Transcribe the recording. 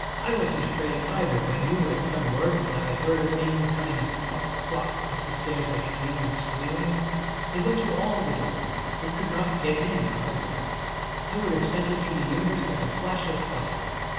I wasn't afraid either when you were at some work and I heard a thing coming flop flop up the stairs like an eel, and squealing. It went to all the doors. It could not get in where I was. I would have sent it through the universe like a flash of fire.